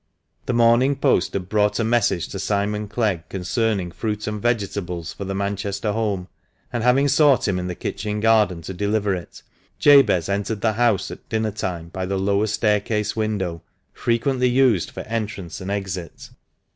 The morning post had brought a message to Simon Clegg concerning fruit and vegetables for the Manchester home, and having sought him in the kitchen garden to deliver it, Jabez entered the house at dinner time by the lower staircase window (frequently used for entrance and exit).